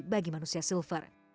bagi manusia silver